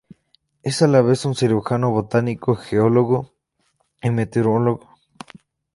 Es a la vez un cirujano, botánico, geólogo, y meteorólogo.